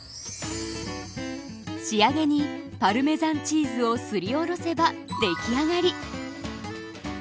仕上げにパルメザンチーズをすりおろせばできあがり。